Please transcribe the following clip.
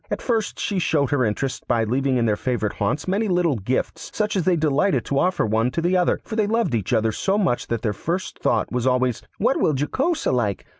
At first she showed her interest by leaving in their favourite haunts many little gifts such as they delighted to offer one to the other, for they loved each other so much that their first thought was always, 'What will Jocosa like?